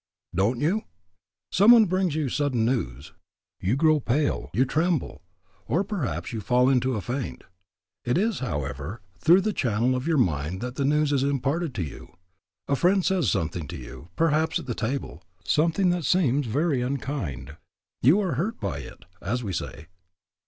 Don't you? Some one brings you sudden news. You grow pale, you tremble, or perhaps you fall into a faint. It is, however, through the channel of your mind that the news is imparted to you. A friend says something to you, perhaps at the table, something that seems very unkind. You are hurt by it, as we say.